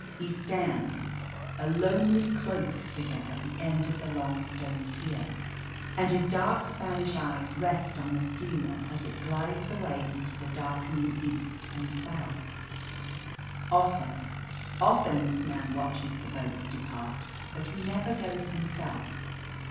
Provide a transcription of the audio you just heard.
He stands, a lonely, cloaked figure, at the end of the long stone pier, and his dark Spanish eyes rest on the steamer as it glides away into the darkening east and south. Often, often this man watches the boats depart, but he never goes himself.